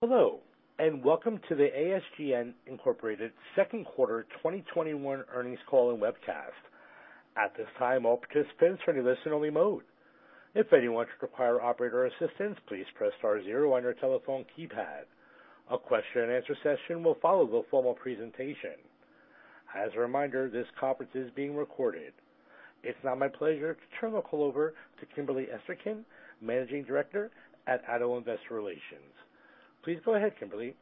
Hello, and welcome to the ASGN Incorporated second quarter 2021 earnings call and webcast. At this time, all participants are in a listen-only mode. If anyone should require operator assistance, please press star zero on your telephone keypad. A question-and-answer session will follow the formal presentation. As a reminder, this conference is being recorded. It's now my pleasure to turn the call over to Kimberly Esterkin, Managing Director at Addo Investor Relations. Please go ahead, Kimberly.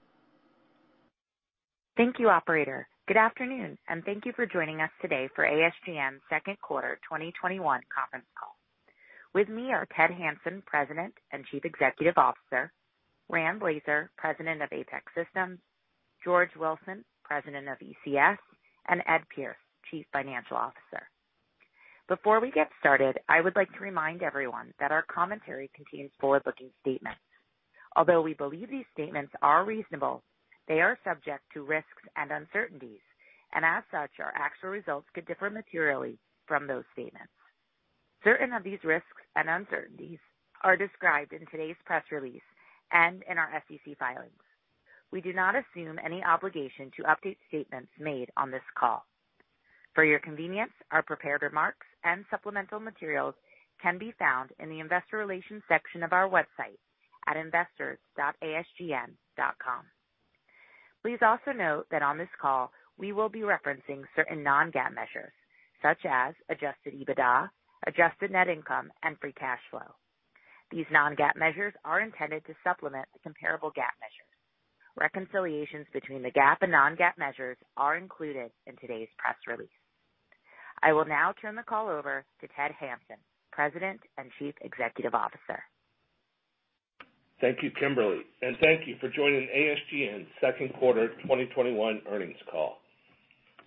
Thank you, Operator. Good afternoon, and thank you for joining us today for ASGN second quarter 2021 conference call. With me are Ted Hanson, President and Chief Executive Officer; Rand Blazer, President of APEX Systems; George Wilson, President of ECS; and Ed Pierce, Chief Financial Officer. Before we get started, I would like to remind everyone that our commentary contains forward-looking statements. Although we believe these statements are reasonable, they are subject to risks and uncertainties, and as such, our actual results could differ materially from those statements. Certain of these risks and uncertainties are described in today's press release and in our SEC filings. We do not assume any obligation to update statements made on this call. For your convenience, our prepared remarks and supplemental materials can be found in the Investor Relations section of our website at investors.asgn.com. Please also note that on this call, we will be referencing certain non-GAAP measures, such as adjusted EBITDA, adjusted net income, and free cash flow. These non-GAAP measures are intended to supplement the comparable GAAP measures. Reconciliations between the GAAP and non-GAAP measures are included in today's press release. I will now turn the call over to Ted Hanson, President and Chief Executive Officer. Thank you, Kimberly, and thank you for joining ASGN's second quarter 2021 earnings call.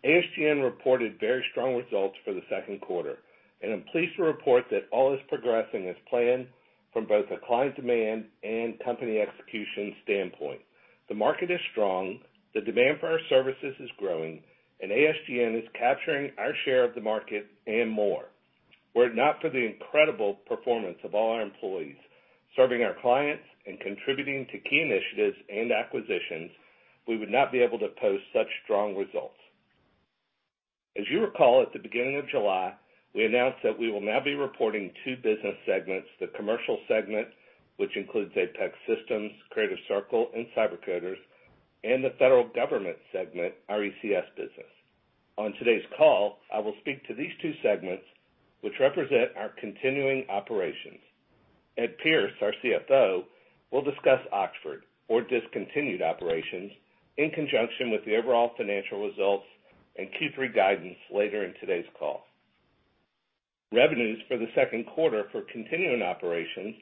ASGN reported very strong results for the second quarter, and I'm pleased to report that all is progressing as planned from both a client demand and company execution standpoint. The market is strong, the demand for our services is growing, and ASGN is capturing our share of the market and more. Were it not for the incredible performance of all our employees serving our clients and contributing to key initiatives and acquisitions, we would not be able to post such strong results. As you recall, at the beginning of July, we announced that we will now be reporting two business segments: the commercial segment, which includes APEX Systems, Creative Circle, and CyberCoders, and the federal government segment, our ECS business. On today's call, I will speak to these two segments, which represent our continuing operations. Ed Pierce, our CFO, will discuss Oxford, or discontinued operations, in conjunction with the overall financial results and Q3 guidance later in today's call. Revenues for the second quarter for continuing operations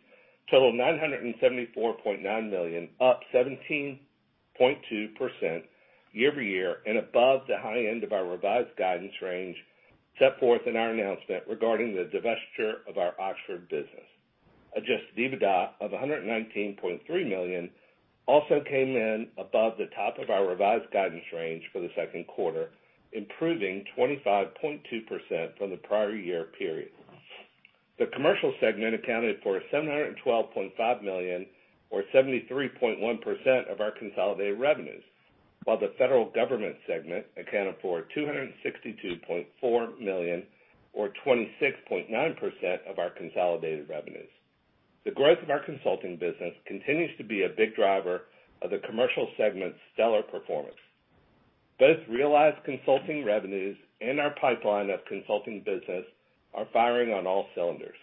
total $974.9 million, up 17.2% year-over-year and above the high end of our revised guidance range set forth in our announcement regarding the divestiture of our Oxford business. Adjusted EBITDA of $119.3 million also came in above the top of our revised guidance range for the second quarter, improving 25.2% from the prior year period. The commercial segment accounted for $712.5 million, or 73.1% of our consolidated revenues, while the federal government segment accounted for $262.4 million, or 26.9% of our consolidated revenues. The growth of our consulting business continues to be a big driver of the commercial segment's stellar performance. Both realized consulting revenues and our pipeline of consulting business are firing on all cylinders.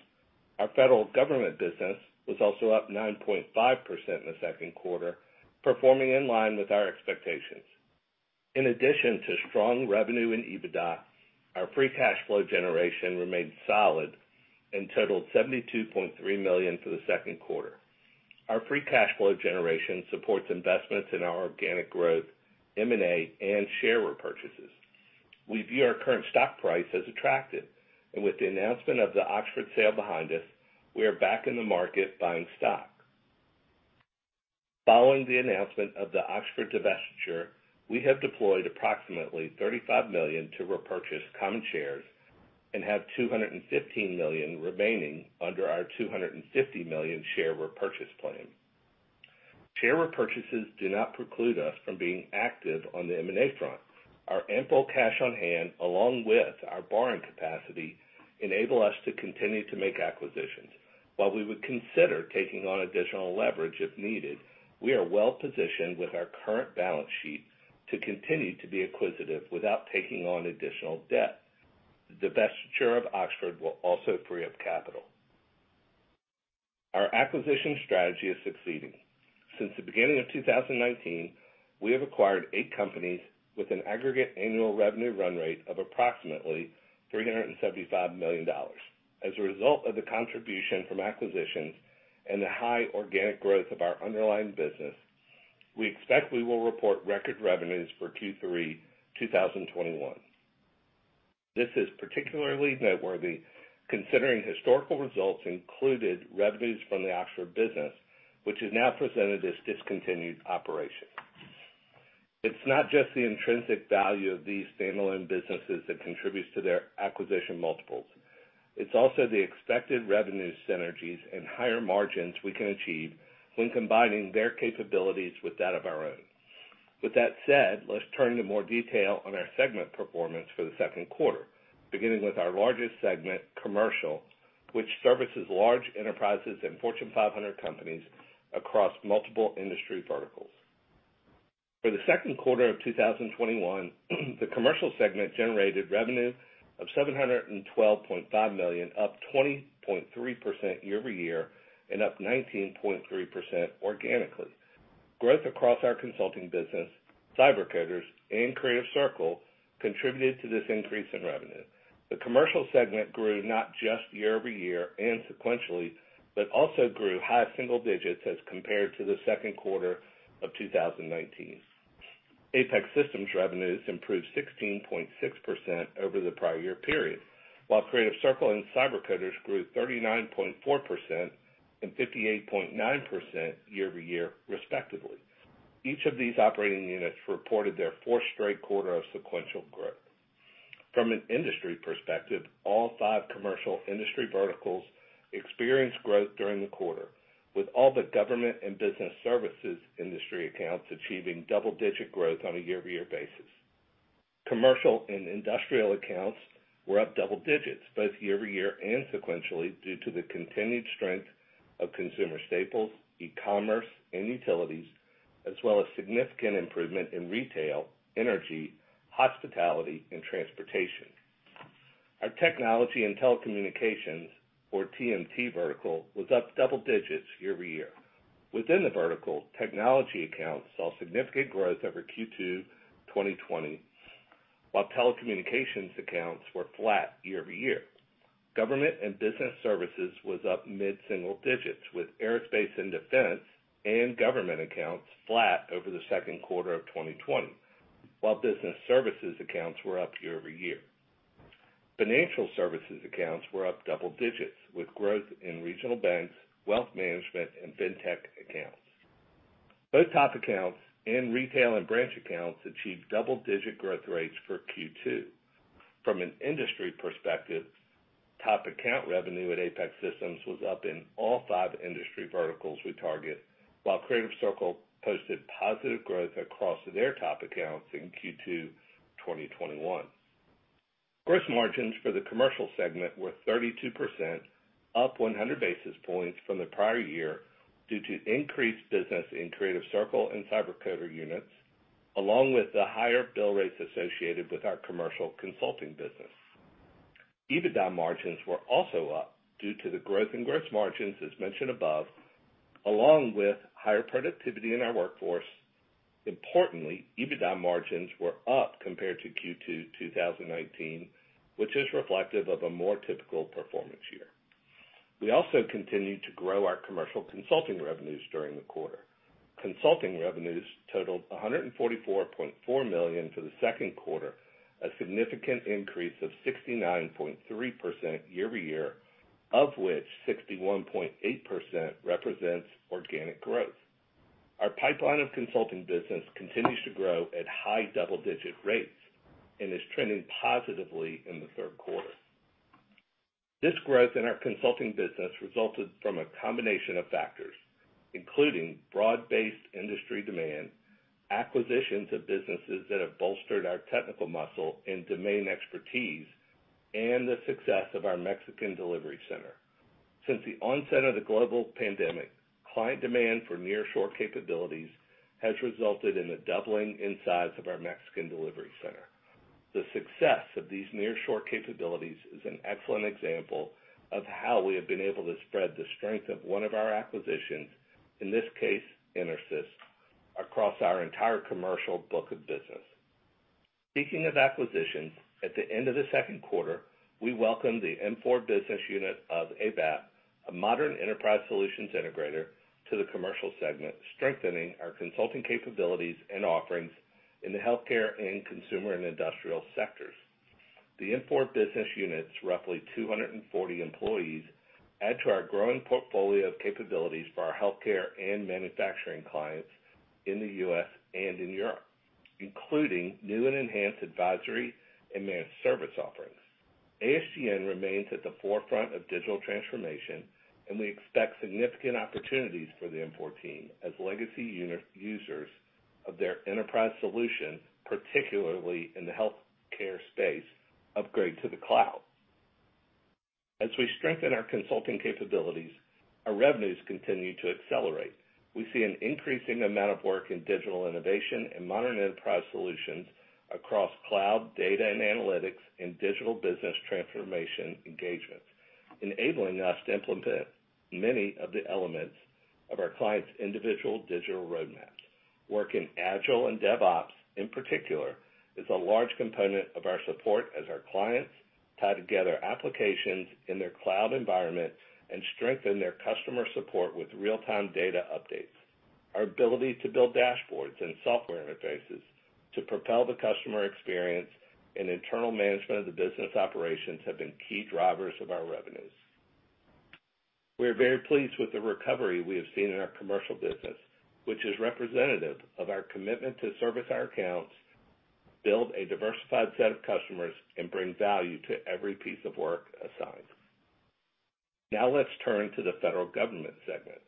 Our federal government business was also up 9.5% in the second quarter, performing in line with our expectations. In addition to strong revenue and EBITDA, our free cash flow generation remained solid and totaled $72.3 million for the second quarter. Our free cash flow generation supports investments in our organic growth, M&A, and share repurchases. We view our current stock price as attractive, and with the announcement of the Oxford sale behind us, we are back in the market buying stock. Following the announcement of the Oxford divestiture, we have deployed approximately $35 million to repurchase common shares and have $215 million remaining under our $250 million share repurchase plan. Share repurchases do not preclude us from being active on the M&A front. Our ample cash on hand, along with our borrowing capacity, enable us to continue to make acquisitions. While we would consider taking on additional leverage if needed, we are well-positioned with our current balance sheet to continue to be acquisitive without taking on additional debt. The divestiture of Oxford will also free up capital. Our acquisition strategy is succeeding. Since the beginning of 2019, we have acquired eight companies with an aggregate annual revenue run rate of approximately $375 million. As a result of the contribution from acquisitions and the high organic growth of our underlying business, we expect we will report record revenues for Q3 2021. This is particularly noteworthy considering historical results included revenues from the Oxford business, which is now presented as discontinued operations. It's not just the intrinsic value of these standalone businesses that contributes to their acquisition multiples. It's also the expected revenue synergies and higher margins we can achieve when combining their capabilities with that of our own. With that said, let's turn to more detail on our segment performance for the second quarter, beginning with our largest segment, commercial, which services large enterprises and Fortune 500 companies across multiple industry verticals. For the second quarter of 2021, the commercial segment generated revenue of $712.5 million, up 20.3% year-over-year and up 19.3% organically. Growth across our consulting business, CyberCoders, and Creative Circle contributed to this increase in revenue. The commercial segment grew not just year-over-year and sequentially, but also grew high single digits as compared to the second quarter of 2019. APEX Systems' revenues improved 16.6% over the prior year period, while Creative Circle and CyberCoders grew 39.4% and 58.9% year-over-year, respectively. Each of these operating units reported their fourth straight quarter of sequential growth. From an industry perspective, all five commercial industry verticals experienced growth during the quarter, with all the government and business services industry accounts achieving double-digit growth on a year-over-year basis. Commercial and industrial accounts were up double digits, both year-over-year and sequentially, due to the continued strength of consumer staples, e-commerce, and utilities, as well as significant improvement in retail, energy, hospitality, and transportation. Our technology and telecommunications, or TMT, vertical was up double digits year-over-year. Within the vertical, technology accounts saw significant growth over Q2 2020, while telecommunications accounts were flat year-over-year. Government and business services was up mid-single digits, with aerospace and defense and government accounts flat over the second quarter of 2020, while business services accounts were up year-over-year. Financial services accounts were up double digits, with growth in regional banks, wealth management, and fintech accounts. Both top accounts and retail and branch accounts achieved double-digit growth rates for Q2. From an industry perspective, top account revenue at APEX Systems was up in all five industry verticals we target, while Creative Circle posted positive growth across their top accounts in Q2 2021. Gross margins for the commercial segment were 32%, up 100 basis points from the prior year due to increased business in Creative Circle and CyberCoders units, along with the higher bill rates associated with our commercial consulting business. EBITDA margins were also up due to the growth in gross margins, as mentioned above, along with higher productivity in our workforce. Importantly, EBITDA margins were up compared to Q2 2019, which is reflective of a more typical performance year. We also continued to grow our commercial consulting revenues during the quarter. Consulting revenues totaled $144.4 million for the second quarter, a significant increase of 69.3% year-over-year, of which 61.8% represents organic growth. Our pipeline of consulting business continues to grow at high double-digit rates and is trending positively in the Third Quarter. This growth in our consulting business resulted from a combination of factors, including broad-based industry demand, acquisitions of businesses that have bolstered our technical muscle and domain expertise, and the success of our Mexican delivery center. Since the onset of the global pandemic, client demand for nearshore capabilities has resulted in a doubling in size of our Mexican delivery center. The success of these nearshore capabilities is an excellent example of how we have been able to spread the strength of one of our acquisitions, in this case, Intersys, across our entire commercial book of business. Speaking of acquisitions, at the end of the second quarter, we welcomed the emFOURity business unit, a modern enterprise solutions integrator, to the commercial segment, strengthening our consulting capabilities and offerings in the healthcare and consumer and industrial sectors. The emFOURity business unit's roughly 240 employees add to our growing portfolio of capabilities for our healthcare and manufacturing clients in the U.S. and in Europe, including new and enhanced advisory and managed service offerings. ASGN remains at the forefront of digital transformation, and we expect significant opportunities for the emFOURity team as legacy users of their enterprise solution, particularly in the healthcare space, upgrade to the cloud. As we strengthen our consulting capabilities, our revenues continue to accelerate. We see an increasing amount of work in digital innovation and modern enterprise solutions across cloud, data, and analytics in digital business transformation engagements, enabling us to implement many of the elements of our clients' individual digital roadmaps. Working agile and DevOps, in particular, is a large component of our support as our clients tie together applications in their cloud environment and strengthen their customer support with real-time data updates. Our ability to build dashboards and software interfaces to propel the customer experience and internal management of the business operations have been key drivers of our revenues. We are very pleased with the recovery we have seen in our commercial business, which is representative of our commitment to service our accounts, build a diversified set of customers, and bring value to every piece of work assigned. Now let's turn to the federal government segment,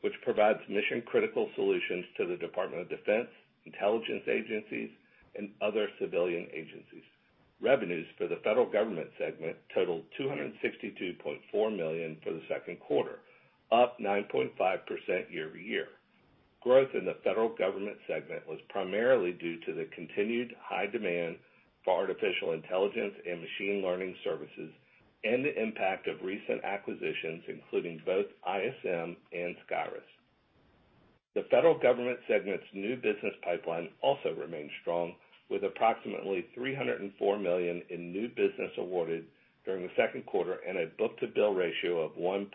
which provides mission-critical solutions to the Department of Defense, intelligence agencies, and other civilian agencies. Revenues for the federal government segment totaled $262.4 million for the second quarter, up 9.5% year-over-year. Growth in the federal government segment was primarily due to the continued high demand for artificial intelligence and machine learning services and the impact of recent acquisitions, including both ISM and SCYRUS. The federal government segment's new business pipeline also remained strong, with approximately $304 million in new business awarded during the second quarter and a book-to-bill ratio of 1.2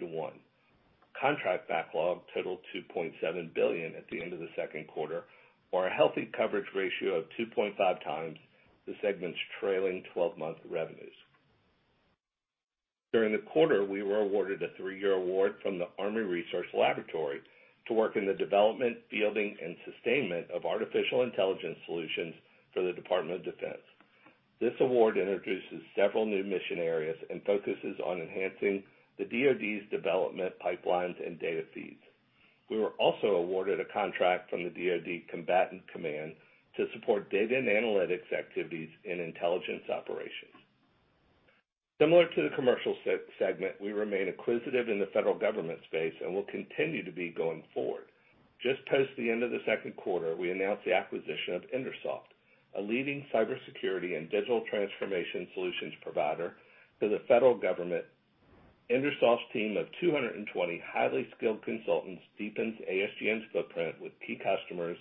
to 1. Contract backlog totaled $2.7 billion at the end of the second quarter, or a healthy coverage ratio of 2.5 times the segment's trailing 12-month revenues. During the quarter, we were awarded a three-year award from the Army Resource Laboratory to work in the development, fielding, and sustainment of artificial intelligence solutions for the Department of Defense. This award introduces several new mission areas and focuses on enhancing the DOD's development pipelines and data feeds. We were also awarded a contract from the DOD Combatant Command to support data and analytics activities in intelligence operations. Similar to the commercial segment, we remain acquisitive in the federal government space and will continue to be going forward. Just post the end of the second quarter, we announced the acquisition of Intersoft, a leading cybersecurity and digital transformation solutions provider to the federal government. Intersoft's team of 220 highly skilled consultants deepens ASGN's footprint with key customers,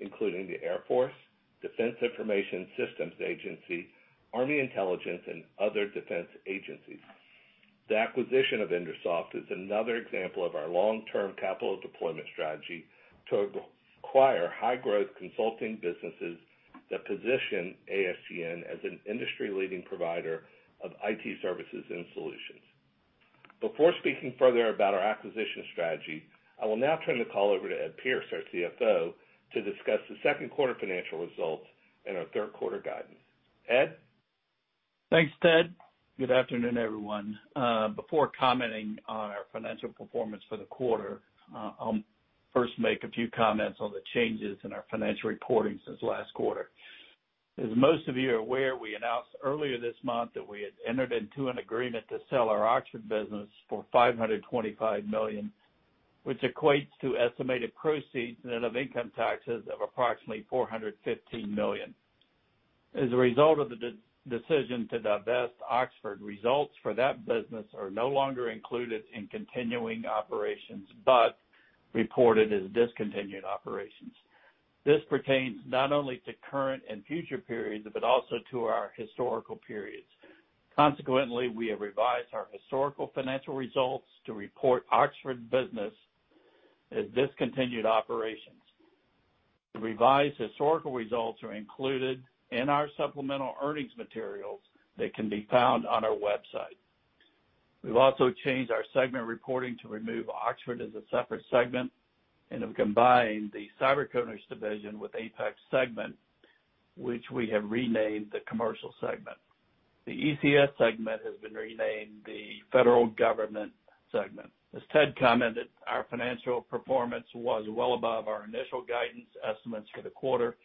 including the Air Force, Defense Information Systems Agency, Army Intelligence, and other defense agencies. The acquisition of Intersoft is another example of our long-term capital deployment strategy to acquire high-growth consulting businesses that position ASGN as an industry-leading provider of IT services and solutions. Before speaking further about our acquisition strategy, I will now turn the call over to Ed Pierce, our CFO, to discuss the second quarter financial results and our Third Quarter guidance. Ed? Thanks, Ted. Good afternoon, everyone. Before commenting on our financial performance for the quarter, I'll first make a few comments on the cha nges in our financial reporting since last quarter. As most of you are aware, we announced earlier this month that we had entered into an agreement to sell our Oxford business for $525 million, which equates to estimated proceeds net of income taxes of approximately $415 million. As a result of the decision to divest, Oxford results for that business are no longer included in continuing operations but reported as discontinued operations. This pertains not only to current and future periods but also to our historical periods. Consequently, we have revised our historical financial results to report Oxford business as discontinued operations. The revised historical results are included in our supplemental earnings materials that can be found on our website. We've also changed our segment reporting to remove Oxford as a separate segment and have combined the CyberCoders division with APEX segment, which we have renamed the commercial segment. The ECS segment has been renamed the federal government segment. As Ted commented, our financial performance was well above our initial guidance estimates for the quarter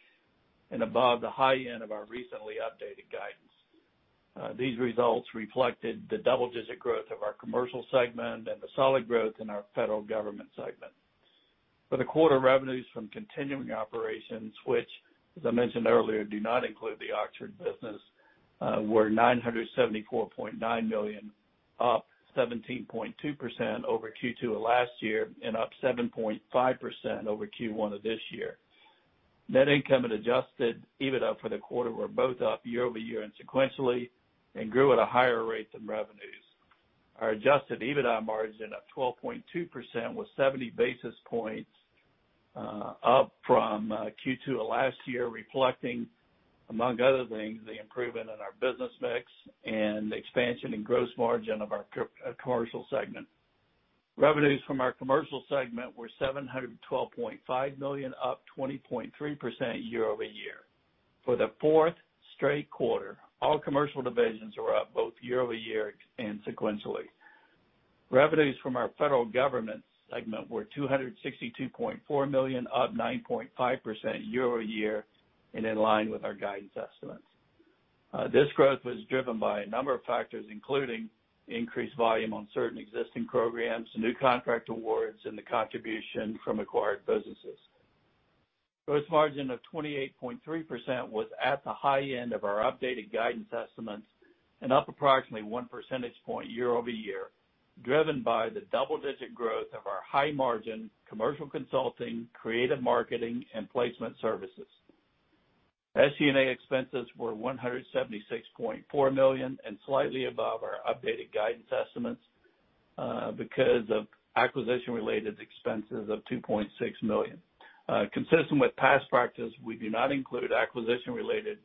and above the high end of our recently updated guidance. These results reflected the double-digit growth of our commercial segment and the solid growth in our federal government segment. For the quarter, revenues from continuing operations, which, as I mentioned earlier, do not include the Oxford business, were $974.9 million, up 17.2% over Q2 of last year and up 7.5% over Q1 of this year. Net income and adjusted EBITDA for the quarter were both up year-over-year and sequentially and grew at a higher rate than revenues. Our adjusted EBITDA margin of 12.2% was 70 basis points up from Q2 of last year, reflecting, among other things, the improvement in our business mix and expansion in gross margin of our commercial segment. Revenues from our commercial segment were $712.5 million, up 20.3% year-over-year. For the fourth straight quarter, all commercial divisions were up both year-over-year and sequentially. Revenues from our federal government segment were $262.4 million, up 9.5% year-over-year and in line with our guidance estimates. This growth was driven by a number of factors, including increased volume on certain existing programs, new contract awards, and the contribution from acquired businesses. Gross margin of 28.3% was at the high end of our updated guidance estimates and up approximately one percentage point year-over-year, driven by the double-digit growth of our high-margin commercial consulting, creative marketing, and placement services. SG&A expenses were $176.4 million and slightly above our updated guidance estimates because of acquisition-related expenses of $2.6 million. Consistent with past practice, we do not include acquisition-related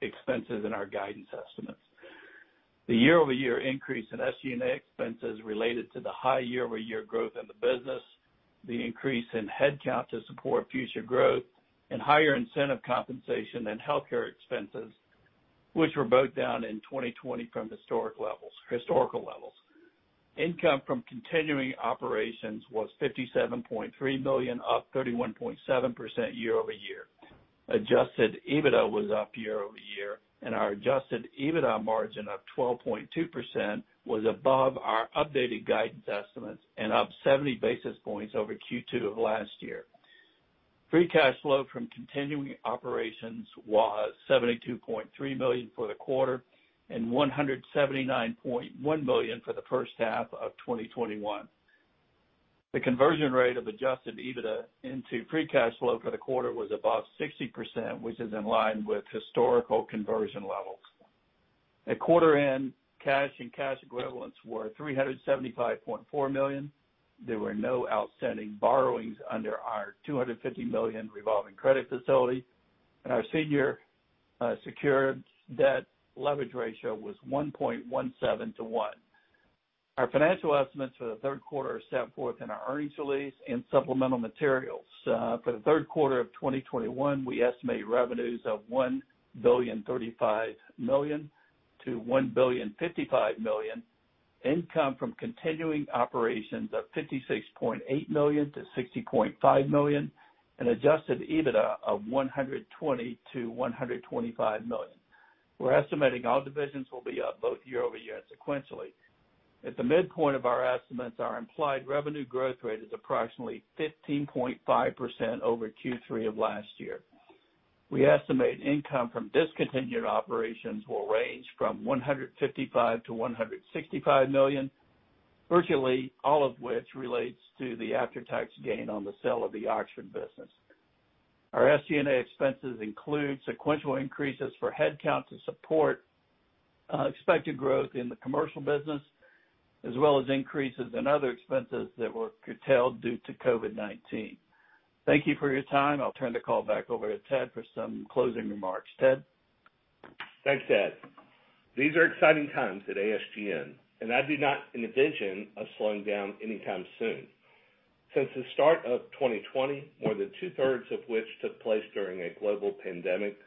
expenses in our guidance estimates. The year-over-year increase in SG&A expenses related to the high year-over-year growth in the business, the increase in headcount to support future growth, and higher incentive compensation than healthcare expenses, which were both down in 2020 from historical levels. Income from continuing operations was $57.3 million, up 31.7% year-over-year. Adjusted EBITDA was up year-over-year, and our adjusted EBITDA margin of 12.2% was above our updated guidance estimates and up 70 basis points over Q2 of last year. Free cash flow from continuing operations was $72.3 million for the quarter and $179.1 million for the first half of 2021. The conversion rate of adjusted EBITDA into free cash flow for the quarter was above 60%, which is in line with historical conversion levels. At quarter-end, cash and cash equivalents were $375.4 million. There were no outstanding borrowings under our $250 million revolving credit facility. Our senior secured debt leverage ratio was 1.17 to 1. Our financial estimates for the Third Quarter are set forth in our earnings release and supplemental materials. For the Third Quarter of 2021, we estimate revenues of $1,035 million-$1,055 million, income from continuing operations of $56.8 million-$60.5 million, and adjusted EBITDA of $120-$125 million. We're estimating all divisions will be up both year-over-year and sequentially. At the midpoint of our estimates, our implied revenue growth rate is approximately 15.5% over Q3 of last year. We estimate income from discontinued operations will range from $155-$165 million, virtually all of which relates to the after-tax gain on the sale of the Oxford business. Our SG&A expenses include sequential increases for headcount to support expected growth in the commercial business, as well as increases in other expenses that were curtailed due to COVID-19. Thank you for your time. I'll turn the call back over to Ted for some closing remarks. Ted? Thanks, Ted. These are exciting times at ASGN, and I do not envision us slowing down anytime soon. Since the start of 2020, more than 2-thirds of which took place during a global pandemic,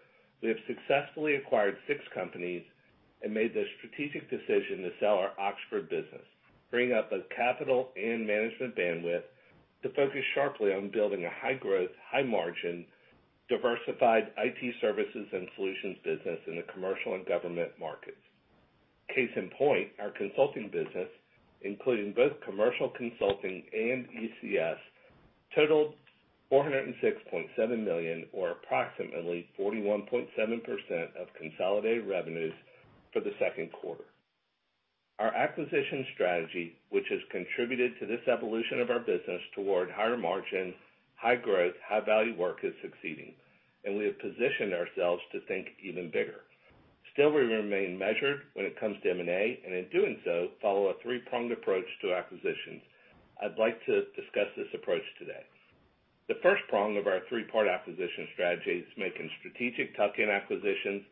we have successfully acquired 6 companies and made the strategic decision to sell our Oxford business, freeing up capital and management bandwidth to focus sharply on building a high-growth, high-margin, diversified IT services and solutions business in the commercial and government markets. Case in point, our consulting business, including both commercial consulting and ECS, totaled $406.7 million, or approximately 41.7% of consolidated revenues for the second quarter. Our acquisition strategy, which has contributed to this evolution of our business toward higher margin, high growth, high-value work, is succeeding, and we have positioned ourselves to think even bigger. Still, we remain measured when it comes to M&A, and in doing so, follow a three-pronged approach to acquisitions. I'd like to discuss this approach today. The first prong of our three-part acquisition strategy is making strategic tuck-in acquisitions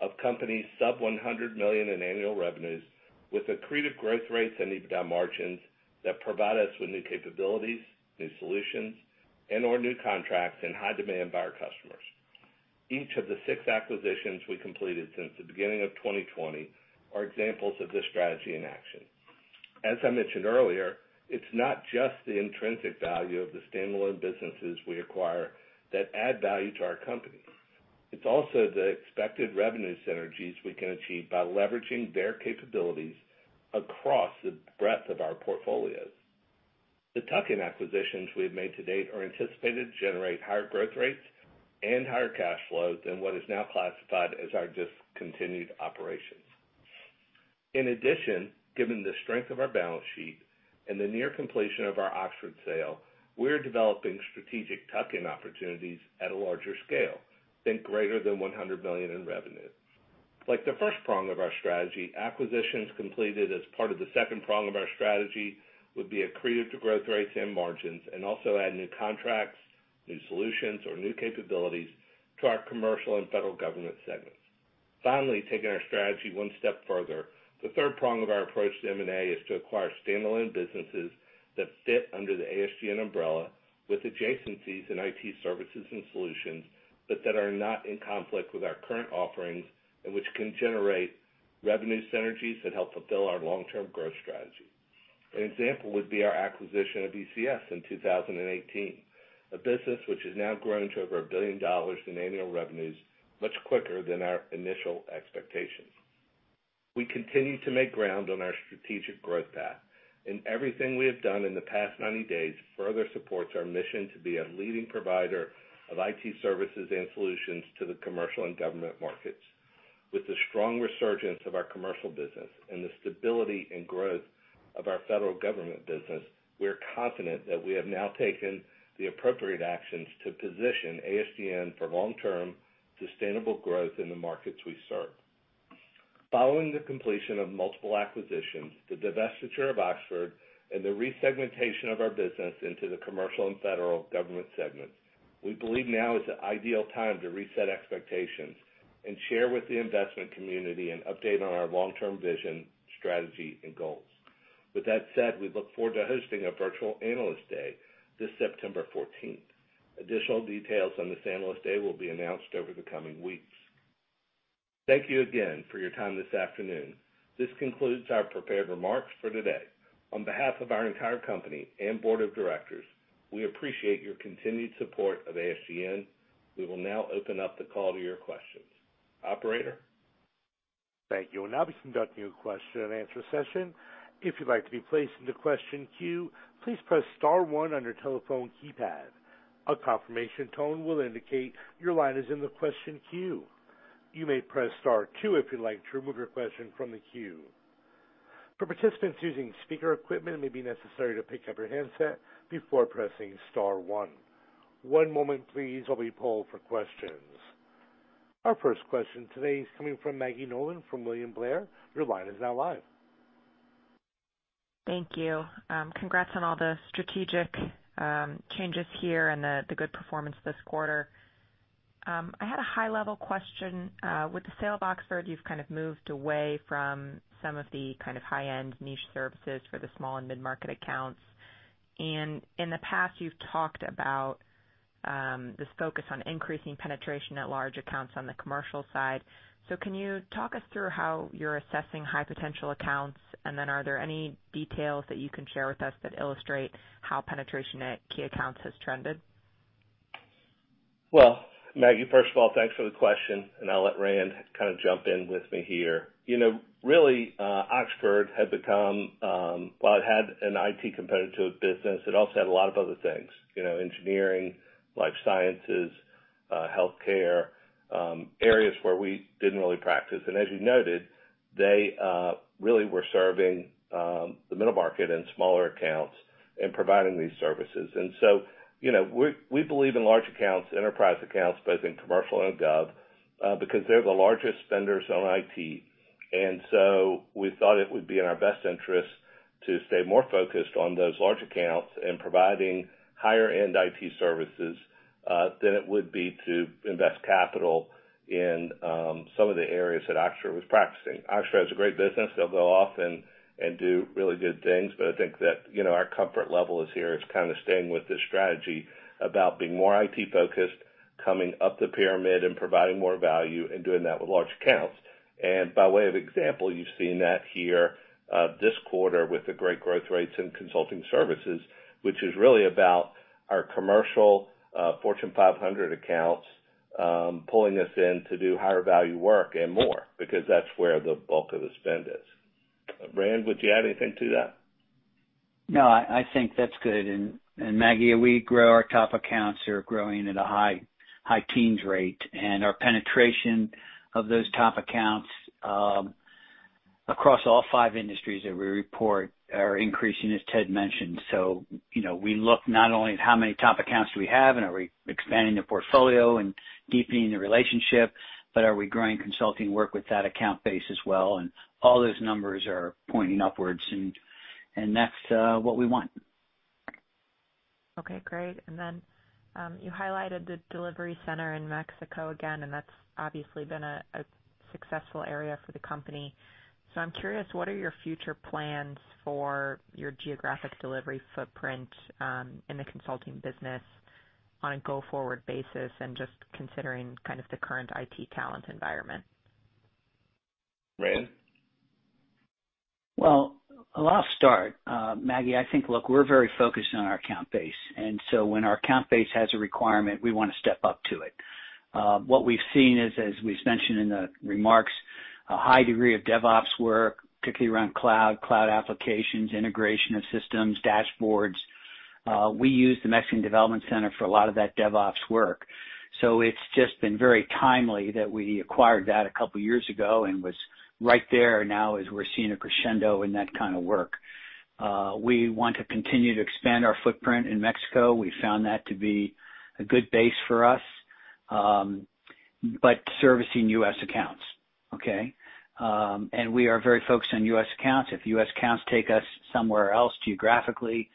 of companies sub-$100 million in annual revenues with accretive growth rates and EBITDA margins that provide us with new capabilities, new solutions, and/or new contracts in high demand by our customers. Each of the six acquisitions we completed since the beginning of 2020 are examples of this strategy in action. As I mentioned earlier, it's not just the intrinsic value of the standalone businesses we acquire that add value to our company. It's also the expected revenue synergies we can achieve by leveraging their capabilities across the breadth of our portfolios. The tuck-in acquisitions we have made to date are anticipated to generate higher growth rates and higher cash flow than what is now classified as our discontinued operations. In addition, given the strength of our balance sheet and the near completion of our Oxford sale, we are developing strategic tuck-in opportunities at a larger scale than greater than $100 million in revenue. Like the first prong of our strategy, acquisitions completed as part of the second prong of our strategy would be accretive to growth rates and margins and also add new contracts, new solutions, or new capabilities to our commercial and federal government segments. Finally, taking our strategy 1 step further, the 3rd prong of our approach to M&A is to acquire standalone businesses that fit under the ASGN umbrella with adjacencies in IT services and solutions but that are not in conflict with our current offerings and which can generate revenue synergies that help fulfill our long-term growth strategy. An example would be our acquisition of ECS in 2018, a business which is now growing to over a billion dollars in annual revenues much quicker than our initial expectations. We continue to make ground on our strategic growth path, and everything we have done in the past 90 days further supports our mission to be a leading provider of IT services and solutions to the commercial and government markets. With the strong resurgence of our commercial business and the stability and growth of our federal government business, we are confident that we have now taken the appropriate actions to position ASGN for long-term sustainable growth in the markets we serve. Following the completion of multiple acquisitions, the divestiture of Oxford, and the resegmentation of our business into the commercial and federal government segments, we believe now is an ideal time to reset expectations and share with the investment community an update on our long-term vision, strategy, and goals. With that said, we look forward to hosting a virtual analyst day this September 14. Additional details on this analyst day will be announced over the coming weeks. Thank you again for your time this afternoon. This concludes our prepared remarks for today. On behalf of our entire company and board of directors, we appreciate your continued support of ASGN. We will now open up the call to your questions. Operator? Thank you. We'll now be conducting a question-and-answer session. If you'd like to be placed in the question queue, please press star one on your telephone keypad. A confirmation tone will indicate your line is in the question queue. You may press star 2 if you'd like to remove your question from the queue. For participants using speaker equipment, it may be necessary to pick up your handset before pressing star one. One moment, please. I'll be pulled for questions. Our first question today is coming from Maggie Nolan from William Blair. Your line is now live. Thank you. Congrats on all the strategic changes here and the good performance this quarter. I had a high-level question. With the sale of Oxford, you've kind of moved away from some of the kind of high-end niche services for the small and mid-market accounts. In the past, you've talked about this focus on increasing penetration at large accounts on the commercial side. Can you talk us through how you're assessing high-potential accounts? Are there any details that you can share with us that illustrate how penetration at key accounts has trended? Maggie, first of all, thanks for the question, and I'll let Rand kind of jump in with me here. Really, Oxford had become—well, it had an IT competitive business. It also had a lot of other things: engineering, life sciences, healthcare, areas where we didn't really practice. As you noted, they really were serving the middle market and smaller accounts and providing these services. We believe in large accounts, enterprise accounts, both in commercial and gov, because they're the largest vendors on IT. We thought it would be in our best interest to stay more focused on those large accounts and providing higher-end IT services than it would be to invest capital in some of the areas that Oxford was practicing. Oxford has a great business. They'll go off and do really good things. I think that our comfort level here is kind of staying with this strategy about being more IT-focused, coming up the pyramid, and providing more value, and doing that with large accounts. By way of example, you've seen that here this quarter with the great growth rates in consulting services, which is really about our commercial Fortune 500 accounts pulling us in to do higher-value work and more because that's where the bulk of the spend is. Rand, would you add anything to that? No, I think that's good. Maggie, we grow our top accounts; they're growing at a high teens rate. Our penetration of those top accounts across all five industries that we report are increasing, as Ted mentioned. We look not only at how many top accounts we have and are we expanding the portfolio and deepening the relationship, but are we growing consulting work with that account base as well? All those numbers are pointing upwards, and that's what we want. Okay. Great. You highlighted the delivery center in Mexico again, and that's obviously been a successful area for the company. I'm curious, what are your future plans for your geographic delivery footprint in the consulting business on a go-forward basis and just considering kind of the current IT talent environment? Rand? I'll start. Maggie, I think, look, we're very focused on our account base. When our account base has a requirement, we want to step up to it. What we've seen is, as we've mentioned in the remarks, a high degree of DevOps work, particularly around cloud, cloud applications, integration of systems, dashboards. We use the Mexican Development Center for a lot of that DevOps work. It's just been very timely that we acquired that a couple of years ago and was right there now as we're seeing a crescendo in that kind of work. We want to continue to expand our footprint in Mexico. We found that to be a good base for us, but servicing US accounts, okay? We are very focused on US accounts. If US accounts take us somewhere else geographically,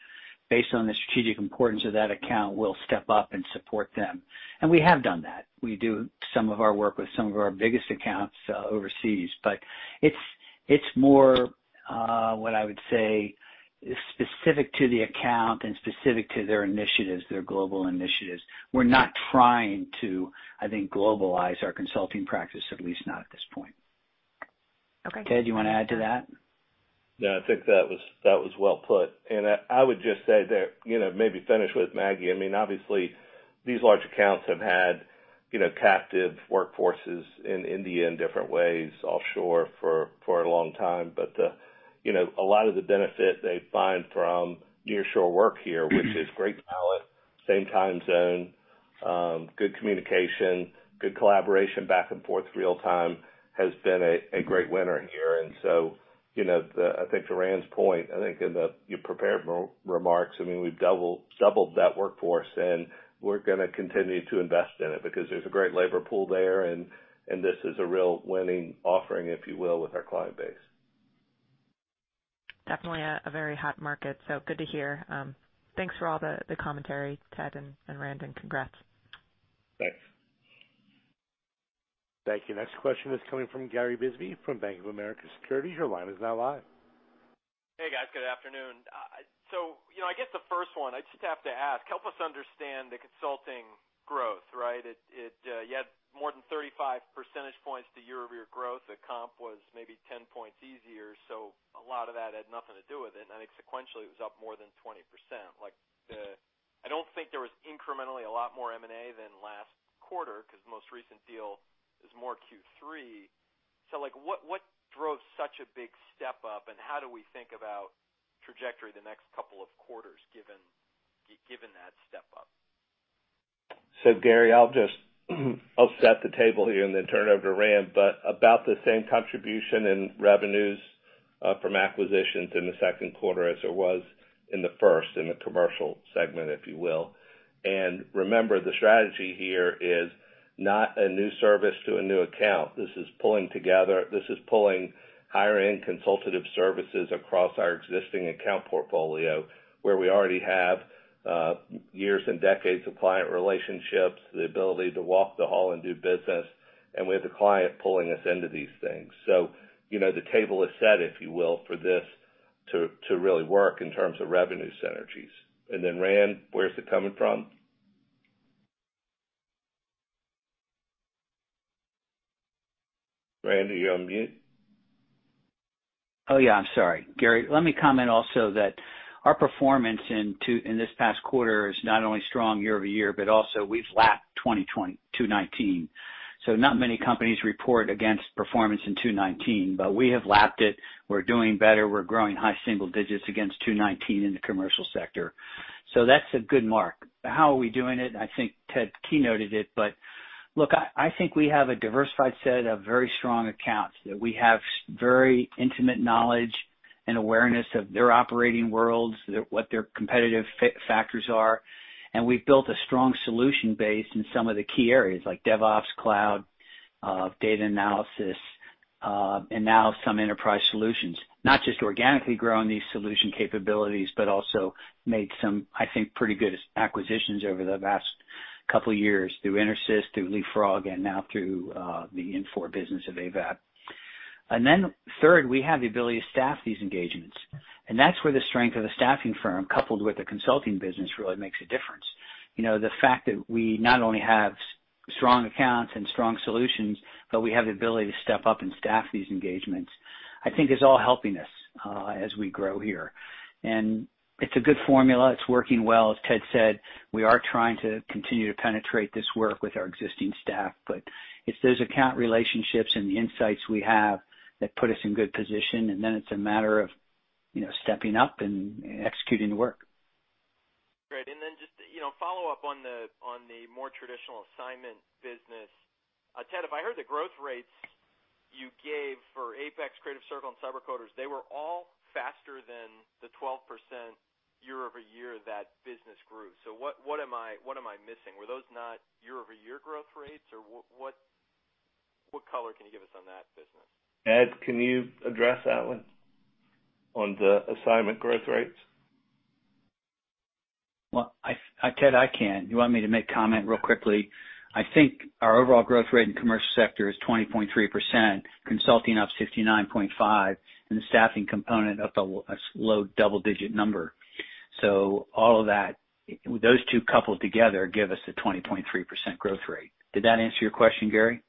based on the strategic importance of that account, we will step up and support them. We have done that. We do some of our work with some of our biggest accounts overseas. It is more what I would say is specific to the account and specific to their initiatives, their global initiatives. We are not trying to, I think, globalize our consulting practice, at least not at this point. Ted, you want to add to that? Yeah. I think that was well put. I would just say that maybe finish with Maggie. I mean, obviously, these large accounts have had captive workforces in India in different ways offshore for a long time. A lot of the benefit they find from near-shore work here, which is great talent, same time zone, good communication, good collaboration back and forth real-time, has been a great winner here. I think to Rand's point, I think in the prepared remarks, we've doubled that workforce, and we're going to continue to invest in it because there's a great labor pool there, and this is a real winning offering, if you will, with our client base. Definitely a very hot market. Good to hear. Thanks for all the commentary, Ted and Rand. Congrats. Thanks. Thank you. Next question is coming from Gary Bisbee from Bank of America Securities. Your line is now live. Hey, guys. Good afternoon. I guess the first one, I just have to ask, help us understand the consulting growth, right? You had more than 35 percentage points the year-over-year growth. The comp was maybe 10 points easier. A lot of that had nothing to do with it. I think sequentially, it was up more than 20%. I do not think there was incrementally a lot more M&A than last quarter because the most recent deal is more Q3. What drove such a big step up, and how do we think about trajectory the next couple of quarters given that step up? Gary, I'll set the table here and then turn it over to Rand. About the same contribution in revenues from acquisitions in the second quarter as there was in the first in the commercial segment, if you will. Remember, the strategy here is not a new service to a new account. This is pulling together. This is pulling higher-end consultative services across our existing account portfolio where we already have years and decades of client relationships, the ability to walk the hall and do business, and we have the client pulling us into these things. The table is set, if you will, for this to really work in terms of revenue synergies. Rand, where's it coming from? Rand, are you on mute? Oh, yeah. I'm sorry. Gary, let me comment also that our performance in this past quarter is not only strong year-over-year, but also we've lapped 2019. Not many companies report against performance in 2019, but we have lapped it. We're doing better. We're growing high single digits against 2019 in the commercial sector. That's a good mark. How are we doing it? I think Ted keynoted it. Look, I think we have a diversified set of very strong accounts that we have very intimate knowledge and awareness of their operating worlds, what their competitive factors are. We have built a strong solution base in some of the key areas like DevOps, cloud, data analysis, and now some enterprise solutions, not just organically growing these solution capabilities, but also made some, I think, pretty good acquisitions over the last couple of years through Intersys, through LeapFrog, and now through the in-four business of AVAP. Third, we have the ability to staff these engagements. That is where the strength of a staffing firm coupled with a consulting business really makes a difference. The fact that we not only have strong accounts and strong solutions, but we have the ability to step up and staff these engagements, I think, is all helping us as we grow here. It is a good formula. It is working well. As Ted said, we are trying to continue to penetrate this work with our existing staff. It is those account relationships and the insights we have that put us in good position. It is a matter of stepping up and executing the work. Great. Just follow up on the more traditional assignment business. Ted, if I heard the growth rates you gave for APEX, Creative Circle, and CyberCoders, they were all faster than the 12% year-over-year that business grew. What am I missing? Were those not year-over-year growth rates? What color can you give us on that business? Ed, can you address that one on the assignment growth rates? Well, Ted, I can. You want me to make a comment real quickly? I think our overall growth rate in the commercial sector is 20.3%, consulting up 59.5%, and the staffing component up a low double-digit number. All of that, those two coupled together give us a 20.3% growth rate. Did that answer your question, Gary?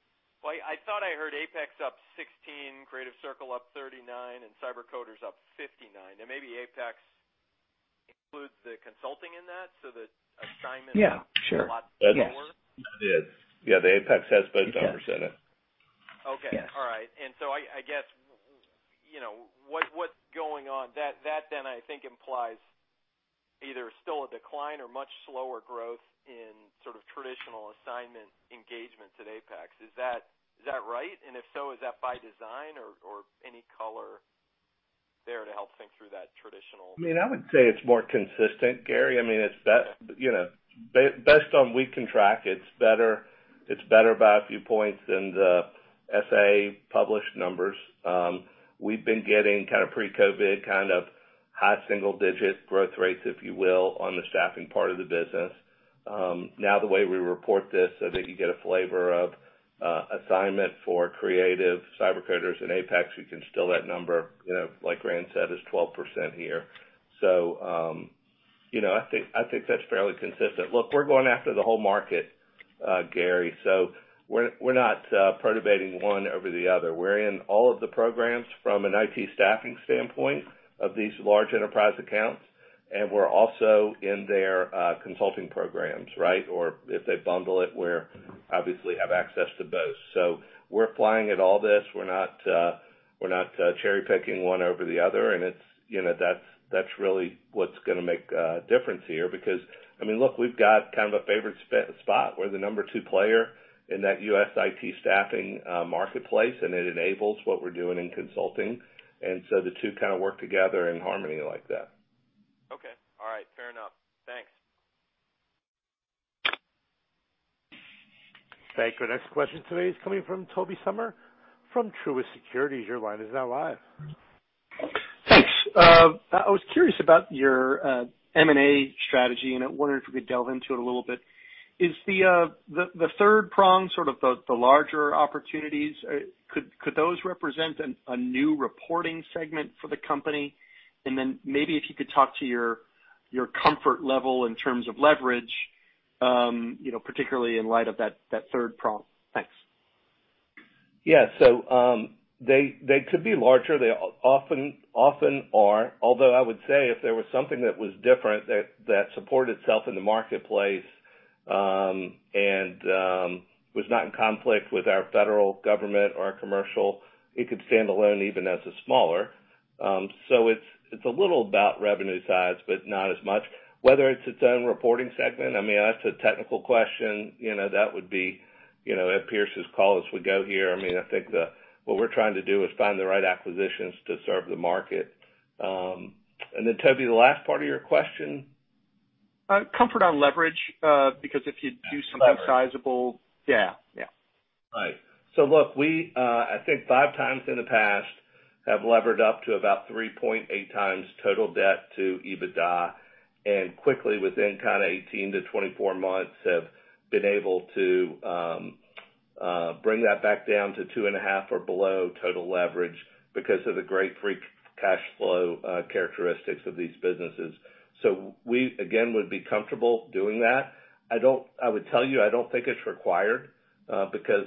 I thought I heard APEX up 16, Creative Circle up 39, and CyberCoders up 59. Maybe APEX includes the consulting in that so that assignment is a lot lower? Yeah. That did. Yeah. The APEX has both numbers in it. Okay. All right. I guess what's going on, that then I think implies either still a decline or much slower growth in sort of traditional assignment engagements at APEX. Is that right? If so, is that by design or any color there to help think through that traditional? I mean, I would say it's more consistent, Gary. I mean, based on what we can track, it's better by a few points than the SA published numbers. We've been getting kind of pre-COVID kind of high single-digit growth rates, if you will, on the staffing part of the business. Now, the way we report this so that you get a flavor of assignment for Creative Circle, CyberCoders, and APEX Systems, you can still that number, like Rand said, is 12% here. I think that's fairly consistent. Look, we're going after the whole market, Gary. We're not predicating one over the other. We're in all of the programs from an IT staffing standpoint of these large enterprise accounts. We're also in their consulting programs, right? If they bundle it, we obviously have access to both. We're flying at all this. We're not cherry-picking one over the other. That's really what's going to make a difference here because, I mean, look, we've got kind of a favorite spot where the number two player in that US IT staffing marketplace, and it enables what we're doing in consulting. The two kind of work together in harmony like that. Okay. All right. Fair enough. Thanks. Thank you. Next question today is coming from Toby Summer from Truist Securities. Your line is now live. Thanks. I was curious about your M&A strategy, and I wondered if we could delve into it a little bit. Is the 3rd prong, sort of the larger opportunities, could those represent a new reporting segment for the company? Maybe if you could talk to your comfort level in terms of leverage, particularly in light of that third prong. Thanks. Yeah. They could be larger. They often are. Although I would say if there was something that was different that supported itself in the marketplace and was not in conflict with our federal government or our commercial, it could stand alone even as a smaller. It is a little about revenue size, but not as much. Whether it is its own reporting segment, I mean, that is a technical question. That would be Ed Pierce's call as we go here. I mean, I think what we are trying to do is find the right acquisitions to serve the market. Then, Toby, the last part of your question? Comfort on leverage because if you do something sizable. Yeah. Yeah. Right. Look, I think five times in the past have levered up to about 3.8 times total debt to EBITDA. Quickly, within kind of 18 to 24 months, have been able to bring that back down to 2.5 or below total leverage because of the great free cash flow characteristics of these businesses. We, again, would be comfortable doing that. I would tell you, I do not think it is required because